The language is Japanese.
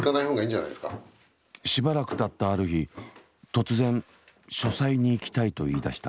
しばらくたったある日突然書斎に行きたいと言いだした。